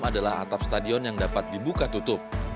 adalah atap stadion yang dapat dibuka tutup